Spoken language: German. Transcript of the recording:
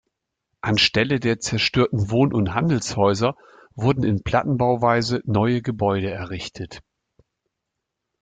Anstelle der zerstörten Wohn- und Handelshäuser wurden in Plattenbauweise neue Gebäude errichtet.